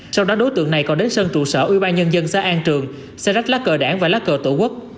sau đó đối tượng này còn đến sân trụ sở ubnd xã an trường xe rách lá cờ đảng và lá cờ tổ quốc